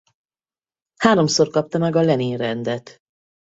Háromszor kapta meg a Lenin-rendet.